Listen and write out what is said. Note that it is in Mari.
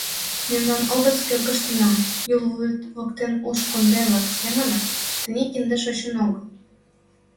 Мемнан область кӧргыштына, Юл вӱд воктен улшо кундем-влак семынак, тений кинде шочын огыл.